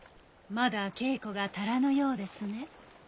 まだ稽古が足らぬようですね。